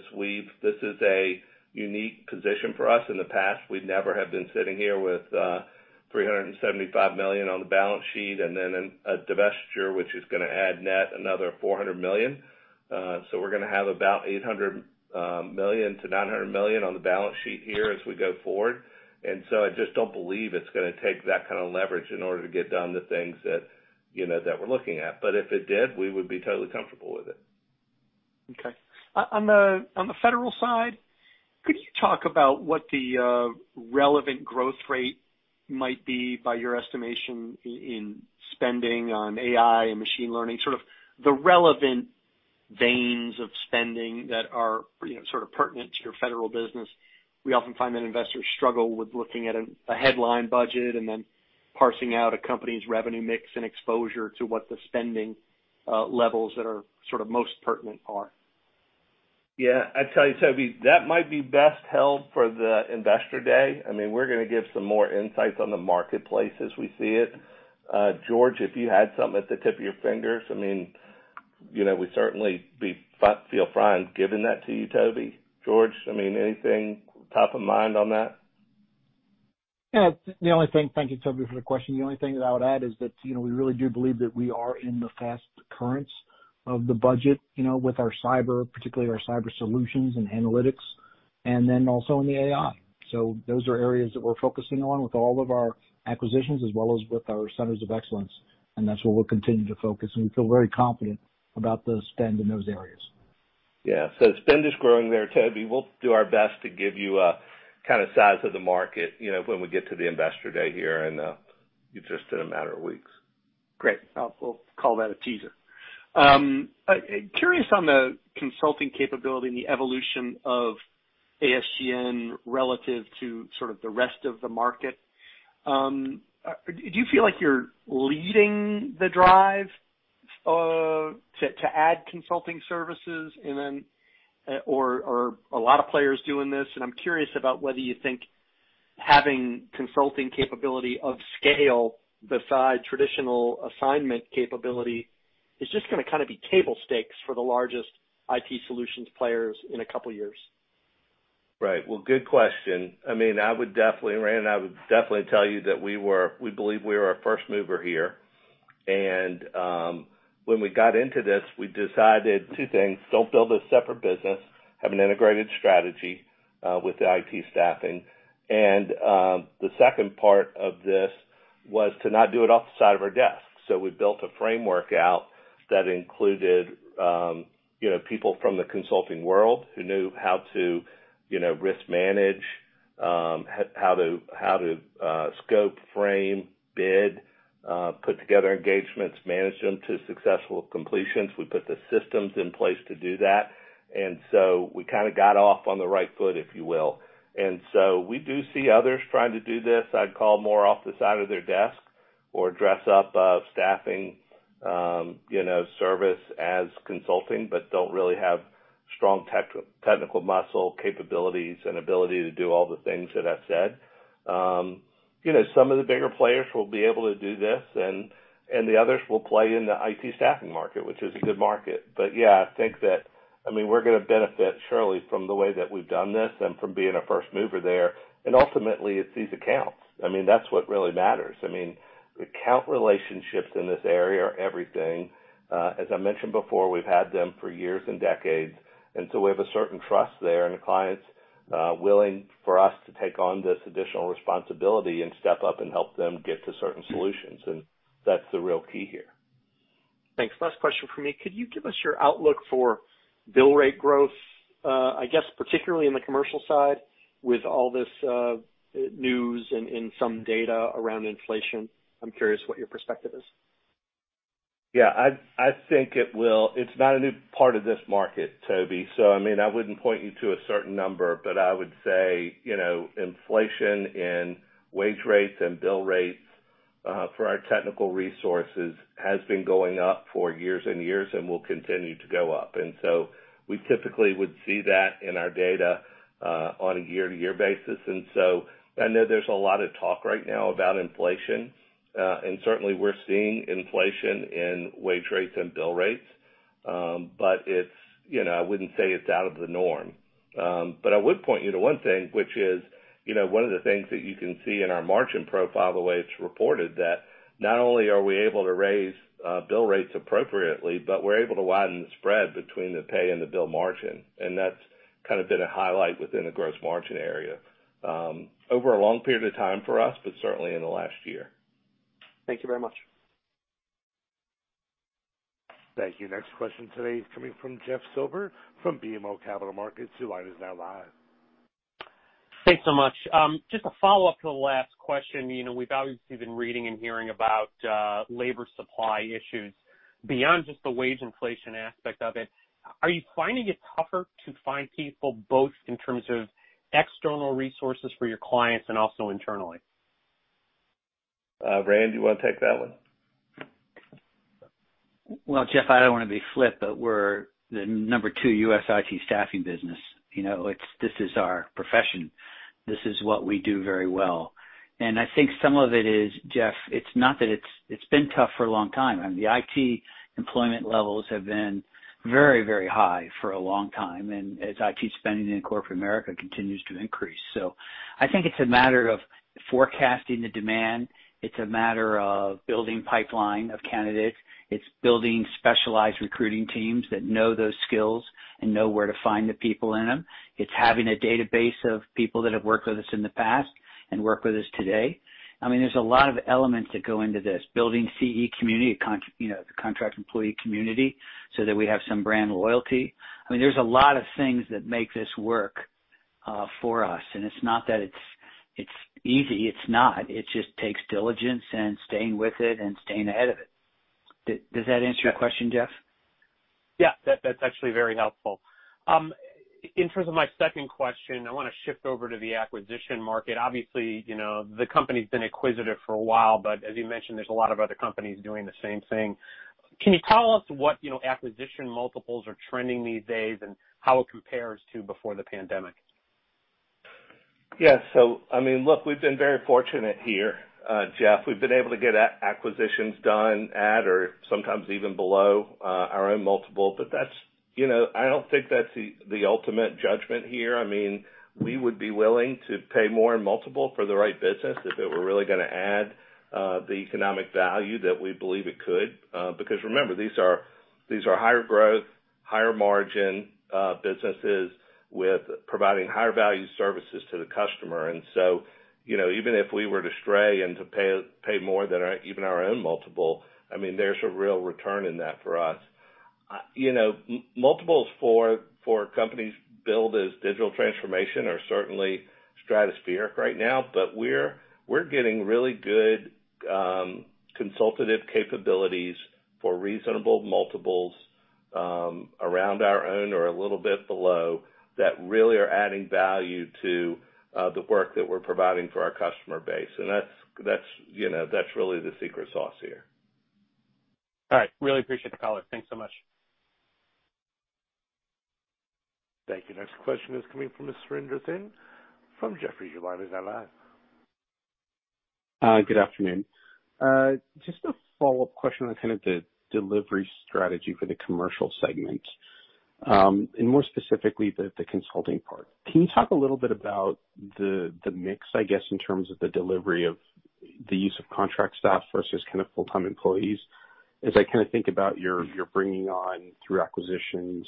this is a unique position for us. In the past, we never have been sitting here with $375 million on the balance sheet and then a divestiture which is going to add net another $400 million. We are going to have about $800 million-$900 million on the balance sheet here as we go forward. I just don't believe it's going to take that kind of leverage in order to get done the things that we're looking at. If it did, we would be totally comfortable with it. Okay. On the federal side, could you talk about what the relevant growth rate might be by your estimation in spending on AI and machine learning, sort of the relevant veins of spending that are sort of pertinent to your federal business? We often find that investors struggle with looking at a headline budget and then parsing out a company's revenue mix and exposure to what the spending levels that are sort of most pertinent are. Yeah. I'd tell you, Toby, that might be best held for the investor day. I mean, we're going to give some more insights on the marketplace as we see it. George, if you had something at the tip of your fingers, I mean, we'd certainly feel fine giving that to you, Toby. George, I mean, anything top of mind on that? Yeah. Thank you, Toby, for the question. The only thing that I would add is that we really do believe that we are in the fast currents of the budget with our cyber, particularly our cyber solutions and analytics, and then also in the AI. Those are areas that we're focusing on with all of our acquisitions as well as with our centers of excellence. That's where we'll continue to focus. We feel very confident about the spend in those areas. Yeah. Spend is growing there, Toby. We'll do our best to give you a kind of size of the market when we get to the investor day here in just a matter of weeks. Great. We'll call that a teaser. Curious on the consulting capability and the evolution of ASGN relative to sort of the rest of the market. Do you feel like you're leading the drive to add consulting services? Or are a lot of players doing this? I'm curious about whether you think having consulting capabi lity of scale besides traditional assignment capability is just going to kind of be table stakes for the largest IT solutions players in a couple of years. Right. Good question. I mean, Rand and I would definitely tell you that we believe we are a first mover here. When we got into this, we decided two things: don't build a separate business, have an integrated strategy with the IT staffing. The second part of this was to not do it off the side of our desk. We built a framework out that included people from the consulting world who knew how to risk manage, how to scope, frame, bid, put together engagements, manage them to successful completions. We put the systems in place to do that. We kind of got off on the right foot, if you will. We do see others trying to do this. I'd call more off the side of their desk or dress up a staffing service as consulting but don't really have strong technical muscle, capabilities, and ability to do all the things that I've said. Some of the bigger players will be able to do this, and the others will play in the IT staffing market, which is a good market. Yeah, I think that, I mean, we're going to benefit surely from the way that we've done this and from being a first mover there. Ultimately, it's these accounts. I mean, that's what really matters. I mean, account relationships in this area are everything. As I mentioned before, we've had them for years and decades. We have a certain trust there and clients willing for us to take on this additional responsibility and step up and help them get to certain solutions. That's the real key here. Thanks. Last question for me. Could you give us your outlook for bill rate growth, I guess, particularly in the commercial side with all this news and some data around inflation? I'm curious what your perspective is. Yeah. I think it will. It's not a new part of this market, Toby. I mean, I would not point you to a certain number, but I would say inflation and wage rates and bill rates for our technical resources have been going up for years and years and will continue to go up. We typically would see that in our data on a year-to-year basis. I know there is a lot of talk right now about inflation. Certainly, we are seeing inflation in wage rates and bill rates. I would not say it is out of the norm. I would point you to one thing, which is one of the things that you can see in our margin profile the way it is reported, that not only are we able to raise bill rates appropriately, but we are able to widen the spread between the pay and the bill margin. That's kind of been a highlight within the gross margin area over a long period of time for us, but certainly in the last year. Thank you very much. Thank you. Next question today is coming from Jeff Silber from BMO Capital Markets. Your line is now live. Thanks so much. Just a follow-up to the last question. We've obviously been reading and hearing about labor supply issues. Beyond just the wage inflation aspect of it, are you finding it tougher to find people both in terms of external resources for your clients and also internally? Rand, do you want to take that one? Jeff, I don't want to be flip, but we're the number two US IT staffing business. This is our profession. This is what we do very well. I think some of it is, Jeff, it's not that it's been tough for a long time. I mean, the IT employment levels have been very, very high for a long time. As IT spending in corporate America continues to increase, I think it's a matter of forecasting the demand. It's a matter of building a pipeline of candidates. It's building specialized recruiting teams that know those skills and know where to find the people in them. It's having a database of people that have worked with us in the past and work with us today. I mean, there's a lot of elements that go into this: building CE community, the contract employee community, so that we have some brand loyalty. I mean, there's a lot of things that make this work for us. It's not that it's easy. It's not. It just takes diligence and staying with it and staying ahead of it. Does that answer your question, Jeff? Yeah. That's actually very helpful. In terms of my second question, I want to shift over to the acquisition market. Obviously, the company's been acquisitive for a while, but as you mentioned, there's a lot of other companies doing the same thing. Can you tell us what acquisition multiples are trending these days and how it compares to before the pandemic? Yeah. I mean, look, we've been very fortunate here, Jeff. We've been able to get acquisitions done at or sometimes even below our own multiple. I don't think that's the ultimate judgment here. I mean, we would be willing to pay more in multiple for the right business if it were really going to add the economic value that we believe it could. Because remember, these are higher growth, higher margin businesses with providing higher value services to the customer. Even if we were to stray and to pay more than even our own multiple, I mean, there's a real return in that for us. Multiples for companies billed as digital transformation are certainly stratospheric right now. We are getting really good consultative capabilities for reasonable multiples around our own or a little bit below that really are adding value to the work that we're providing for our customer base. That's really the secret sauce here. All right. Really appreciate the caller. Thanks so much. Thank you. Next question is coming from Mr. Henderson from Jefferies' line. He's now live. Good afternoon. Just a follow-up question on kind of the delivery strategy for the commercial segment, and more specifically the consulting part. Can you talk a little bit about the mix, I guess, in terms of the delivery of the use of contract staff versus kind of full-time employees? As I kind of think about your bringing on through acquisitions,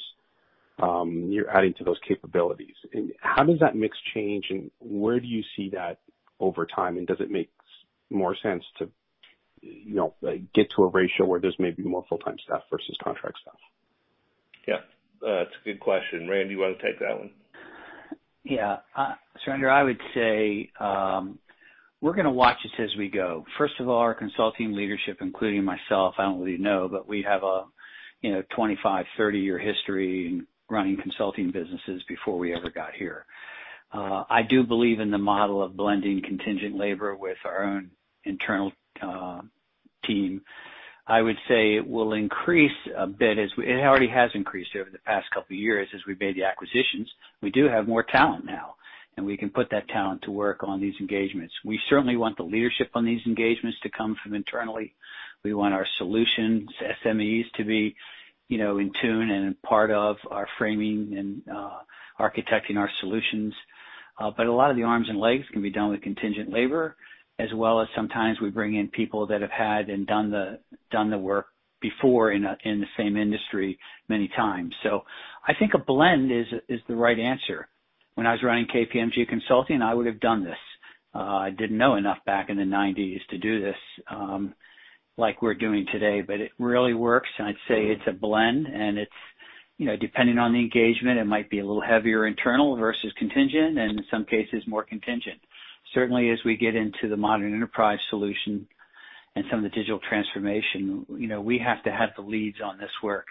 you're adding to those capabilities. How does that mix change? Where do you see that over time? Does it make more sense to get to a ratio where there's maybe more full-time staff versus contract staff? Yeah. That's a good question. Rand, do you want to take that one? Yeah. Surinder, I would say we're going to watch this as we go. First of all, our consulting leadership, including myself, I don't really know, but we have a 25-30 year history in running consulting businesses before we ever got here. I do believe in the model of blending contingent labor with our own internal team. I would say it will increase a bit as it already has increased over the past couple of years as we've made the acquisitions. We do have more talent now. And we can put that talent to work on these engagements. We certainly want the leadership on these engagements to come from internally. We want our solutions, SMEs, to be in tune and part of our framing and architecting our solutions. A lot of the arms and legs can be done with contingent labor, as well as sometimes we bring in people that have had and done the work before in the same industry many times. I think a blend is the right answer. When I was running KPMG Consulting, I would have done this. I didn't know enough back in the 1990s to do this like we're doing today. It really works. I'd say it's a blend. Depending on the engagement, it might be a little heavier internal versus contingent, and in some cases, more contingent. Certainly, as we get into the modern enterprise solution and some of the digital transformation, we have to have the leads on this work.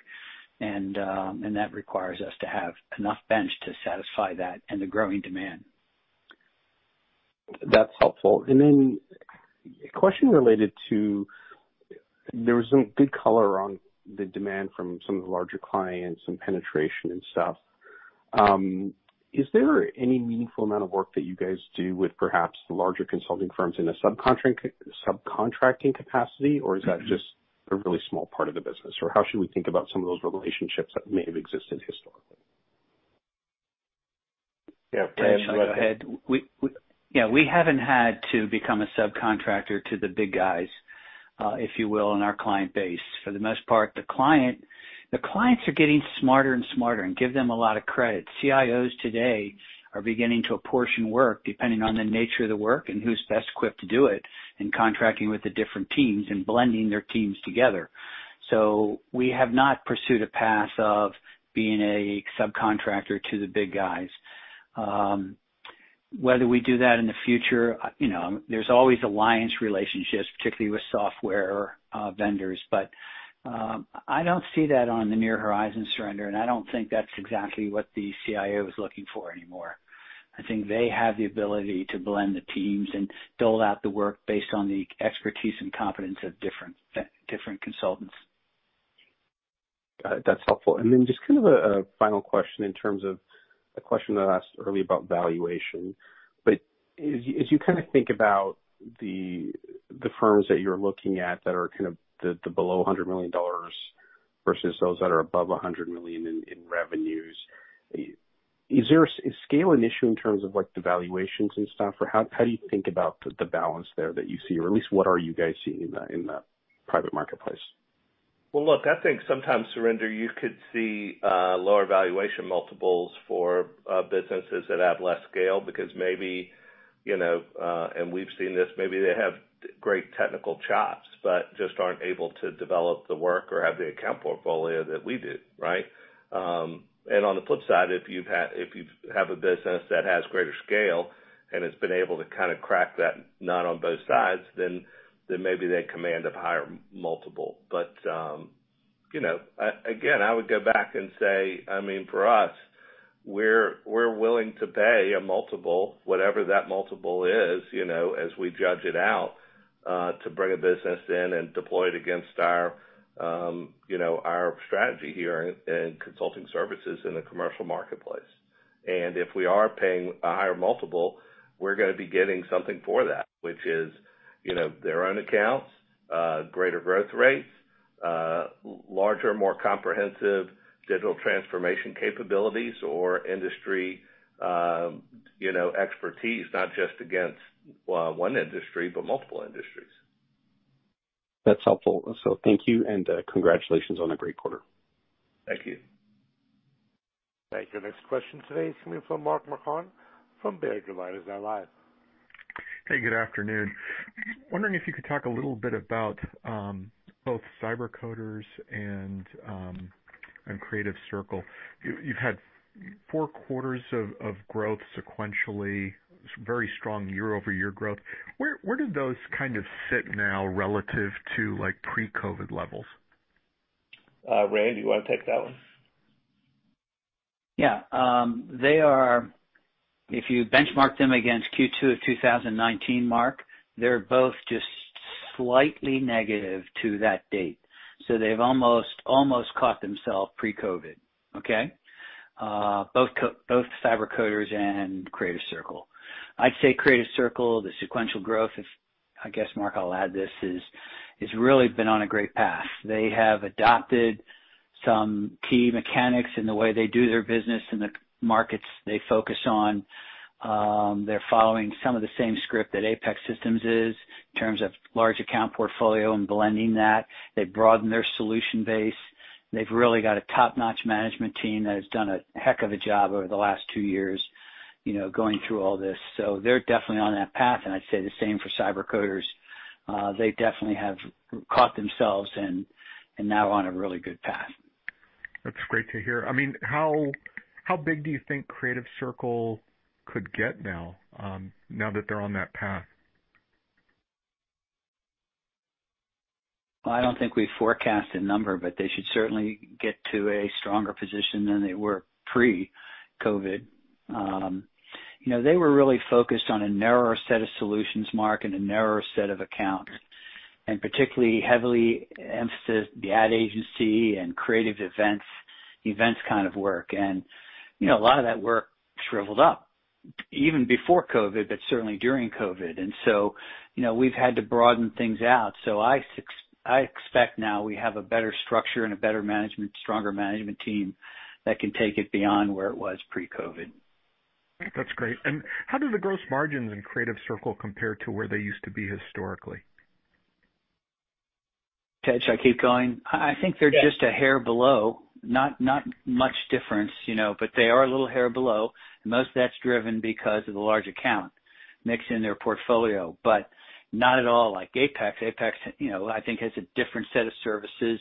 That requires us to have enough bench to satisfy that and the growing demand. That's helpful. A question related to there was some good color on the demand from some of the larger clients and penetration and stuff. Is there any meaningful amount of work that you guys do with perhaps the larger consulting firms in a subcontracting capacity, or is that just a really small part of the business? How should we think about some of those relationships that may have existed historically? Yeah. Yeah. We haven't had to become a subcontractor to the big guys, if you will, in our client base. For the most part, the clients are getting smarter and smarter, and give them a lot of credit. CIOs today are beginning to apportion work depending on the nature of the work and who's best equipped to do it and contracting with the different teams and blending their teams together. We have not pursued a path of being a subcontractor to the big guys. Whether we do that in the future, there's always alliance relationships, particularly with software vendors. I don't see that on the near horizon, Surinder. I don't think that's exactly what the CIO is looking for anymore. I think they have the ability to blend the teams and build out the work based on the expertise and competence of different consultants. Got it. That's helpful. Just kind of a final question in terms of the question I asked earlier about valuation. As you kind of think about the firms that you're looking at that are kind of the below $100 million versus those that are above $100 million in revenues, is scale an issue in terms of the valuations and stuff? How do you think about the balance there that you see? At least what are you guys seeing in the private marketplace? I think sometimes, Surinder, you could see lower valuation multiples for businesses that have less scale because maybe—and we've seen this—maybe they have great technical chops, but just aren't able to develop the work or have the account portfolio that we do, right? On the flip side, if you have a business that has greater scale and has been able to kind of crack that nut on both sides, then maybe they command a higher multiple. I would go back and say, I mean, for us, we're willing to pay a multiple, whatever that multiple is, as we judge it out, to bring a business in and deploy it against our strategy here in consulting services in the commercial marketplace. If we are paying a higher multiple, we're going to be getting something for that, which is their own accounts, greater growth rates, larger, more comprehensive digital transformation capabilities, or industry expertise, not just against one industry but multiple industries. That's helpful. Thank you. Congratulations on a great quarter. Thank you. Thank you. Next question today is coming from Mark Marcon from Robert W. Baird. He's now live. Hey, good afternoon. Wondering if you could talk a little bit about both CyberCoders and Creative Circle. You've had four quarters of growth sequentially, very strong year-over-year growth. Where do those kind of sit now relative to pre-COVID levels? Rand, do you want to take that one? Yeah. If you benchmark them against Q2 of 2019, Mark, they're both just slightly negative to that date. So they've almost caught themselves pre-COVID, okay? Both CyberCoders and Creative Circle. I'd say Creative Circle, the sequential growth, I guess Mark I'll add this, has really been on a great path. They have adopted some key mechanics in the way they do their business in the markets they focus on. They're following some of the same script that APEX Systems is in terms of large account portfolio and blending that. They've broadened their solution base. They've really got a top-notch management team that has done a heck of a job over the last two years going through all this. They're definitely on that path. I'd say the same for CyberCoders. They definitely have caught themselves and now are on a really good path. That's great to hear. I mean, how big do you think Creative Circle could get now that they're on that path? I don't think we forecast a number, but they should certainly get to a stronger position than they were pre-COVID. They were really focused on a narrower set of solutions, Mark, and a narrower set of accounts, and particularly heavily emphasized the ad agency and creative events kind of work. A lot of that work shriveled up even before COVID, but certainly during COVID. We've had to broaden things out. I expect now we have a better structure and a stronger management team that can take it beyond where it was pre-COVID. That's great. How do the gross margins in Creative Circle compare to where they used to be historically? Ted, should I keep going? I think they're just a hair below, not much difference, but they are a little hair below. Most of that's driven because of the large account mix in their portfolio, but not at all like APEX. APEX, I think, has a different set of services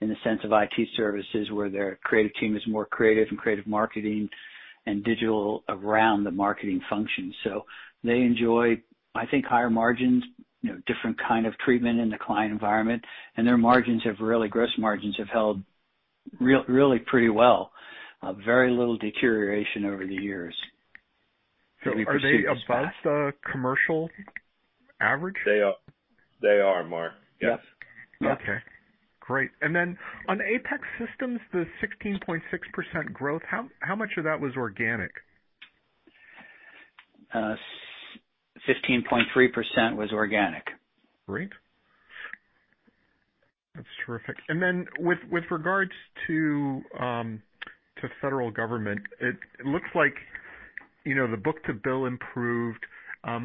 in the sense of IT services where their creative team is more creative and creative marketing and digital around the marketing function. They enjoy, I think, higher margins, different kind of treatment in the client environment. Their margins have really, gross margins have held really pretty well, very little deterioration over the years. Are they above the commercial average? They are. They are, Mark. Yes. Okay. Great. And then on APEX Systems, the 16.6% growth, how much of that was organic? 15.3% was organic. Great. That's terrific. And then with regards to federal government, it looks like the book-to-bill improved.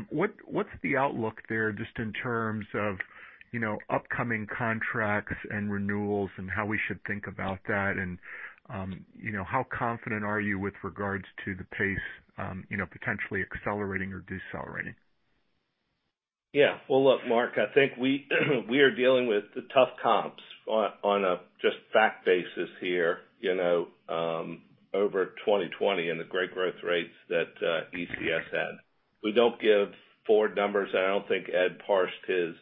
What's the outlook there just in terms of upcoming contracts and renewals and how we should think about that? How confident are you with regards to the pace potentially accelerating or decelerating? Yeah. Look, Mark, I think we are dealing with the tough comps on a just fact basis here over 2020 and the great growth rates that ECS had. We don't give forward numbers, and I don't think Ed parsed his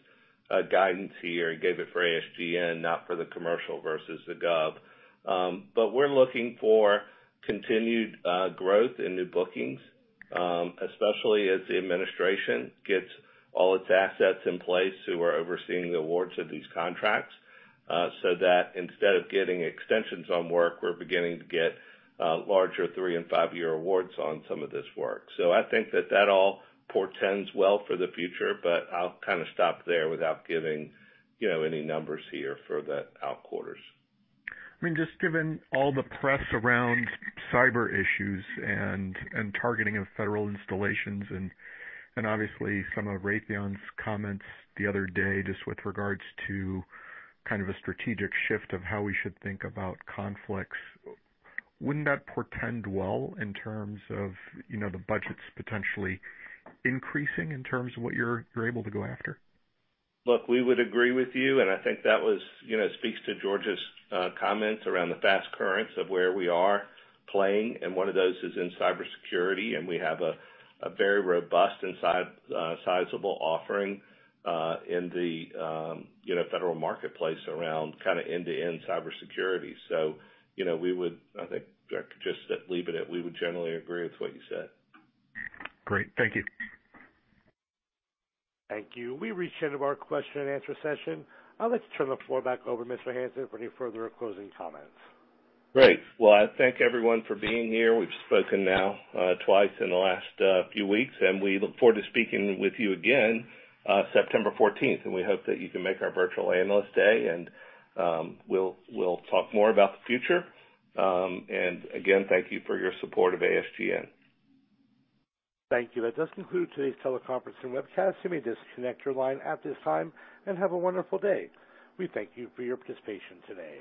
guidance here. He gave it for ASGN, not for the commercial versus the GOV. We're looking for continued growth and new bookings, especially as the administration gets all its assets in place who are overseeing the awards of these contracts so that instead of getting extensions on work, we're beginning to get larger three- and five-year awards on some of this work. I think that that all portends well for the future, but I'll kind of stop there without giving any numbers here for the outquarters. I mean, just given all the press around cyber issues and targeting of federal installations and obviously some of Raytheon's comments the other day just with regards to kind of a strategic shift of how we should think about conflicts, wouldn't that portend well in terms of the budgets potentially increasing in terms of what you're able to go after? Look, we would agree with you. I think that speaks to George's comments around the fast currents of where we are playing. One of those is in cybersecurity. We have a very robust and sizable offering in the federal marketplace around kind of end-to-end cybersecurity. We would, I think, just leave it at we would generally agree with what you said. Great. Thank you. Thank you. We reached the end of our question-and-answer session. I'd like to turn the floor back over to Mr. Hanson for any further closing comments. Great. I thank everyone for being here. We've spoken now twice in the last few weeks. We look forward to speaking with you again September 14th. We hope that you can make our virtual analyst day. We'll talk more about the future. Again, thank you for your support of ASGN. Thank you. That does conclude today's teleconference and webcast. You may disconnect your line at this time and have a wonderful day. We thank you for your participation today.